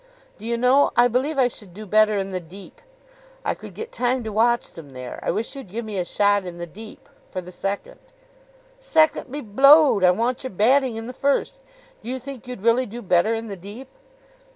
"Do you know, I believe I should do better in the deep. I could get time to watch them there. I wish you'd give me a shot in the deep for the second." "Second be blowed! I want your batting in the first. Do you think you'd really do better in the deep?"